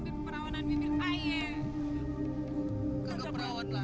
lu mau pergosel dia kan